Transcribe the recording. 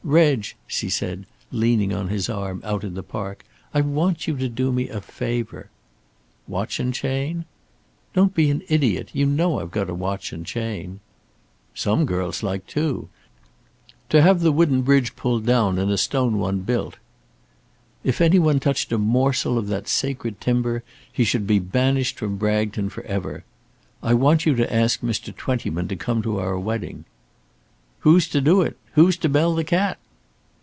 "Reg," she said, leaning on his arm out in the park, "I want you to do me a favour." "Watch and chain?" "Don't be an idiot. You know I've got a watch and chain." "Some girls like two. To have the wooden bridge pulled down and a stone one built." "If any one touched a morsel of that sacred timber he should be banished from Bragton for ever. I want you to ask Mr. Twentyman to come to our wedding." "Who's to do it? Who's to bell the cat?"